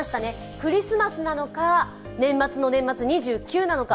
クリスマスなのか、年末の年末２９なのか。